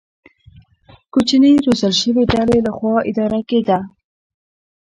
کوچنۍ روزل شوې ډلې له خوا اداره کېده.